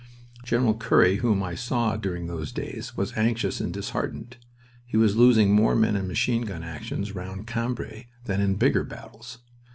General Currie, whom I saw during those days, was anxious and disheartened. He was losing more men in machine gun actions round Cambrai than in bigger battles.